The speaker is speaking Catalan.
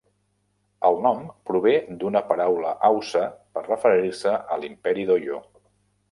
El nom prové d'una paraula haussa per referir-se a l'imperi d'Oyo.